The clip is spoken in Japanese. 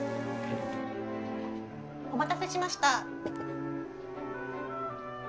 お待たせしました。